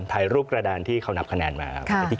ถ่ายรูปกระดานที่เขานับคะแนนมา